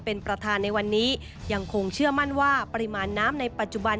เป็นประธานในวันนี้ยังคงเชื่อมั่นว่าปริมาณน้ำในปัจจุบัน